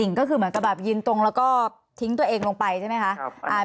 ดิงก็คือมันก็ยืนตรงแล้วทิ้งตัวเองลงไปใช่ไหมครับ